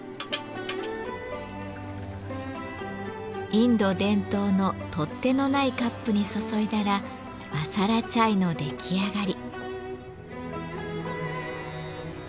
インド伝統の取っ手のないカップに注いだらマサラチャイの出来上がり。